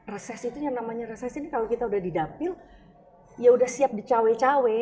reses itu yang namanya reses ini kalau kita udah didapil ya udah siap dicawe cawe